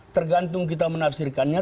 tergantung kita menafsirkannya